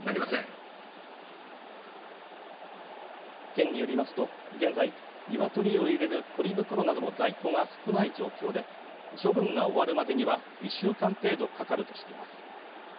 県によりますと現在、ニワトリを入れるポリ袋などの在庫が少ない状況で処分が終わるまでには１週間程度かかるとしています。